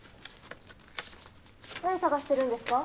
何探してるんですか？